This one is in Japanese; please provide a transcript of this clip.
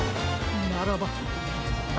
ならば！